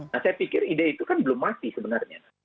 nah saya pikir ide itu kan belum mati sebenarnya